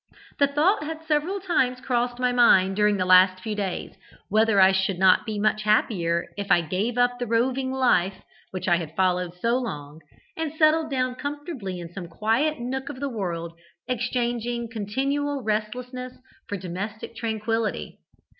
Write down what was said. The thought had several times crossed my mind during the last few days, whether I should not be much happier if I gave up the roving life which I had followed so long, and settled down comfortably in some quiet nook of the world, exchanging continual restlessness for domestic tranquillity.